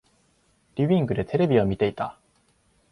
リビングでテレビを見ていた。